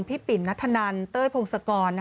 ปิ่นนัทธนันเต้ยพงศกร